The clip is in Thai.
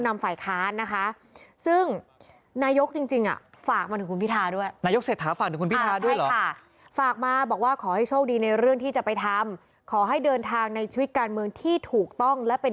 เมื่อวานนี้ใช่ไหมใช่ค่ะเพื่อที่จะเปิดทางให้เก้ากลายขึ้นเป็น